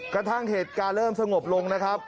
กระทั่งเหตุการณ์เริ่มสงบลงนะครับ